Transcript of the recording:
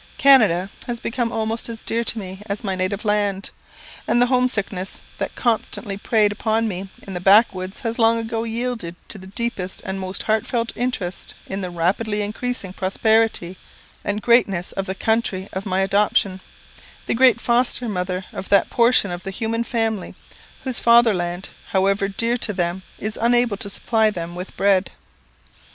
Canada has become almost as dear to me as my native land; and the homesickness that constantly preyed upon me in the Backwoods, has long ago yielded to the deepest and most heartfelt interest in the rapidly increasing prosperity and greatness of the country of my adoption, the great foster mother of that portion of the human family, whose fatherland, however dear to them, is unable to supply them with bread.